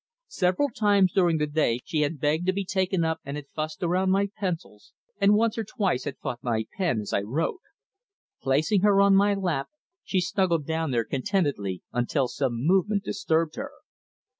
Several times during the day she had begged to be taken up and had fussed around my pencils, and once or twice had fought my pen as I wrote. Placing her on my lap, she snuggled down there contentedly until some movement disturbed her.